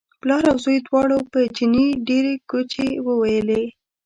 پلار او زوی دواړو په چیني ډېرې کوچې وویلې.